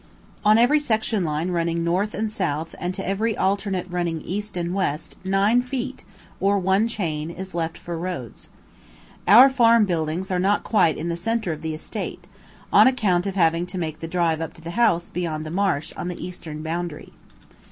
On every section line running north and south and to every alternate running east and west nine feet, or one chain, is left for roads. Our farm buildings are not quite in the centre of the estate, on account of having to make the drive up to the house beyond the marsh on the eastern boundary.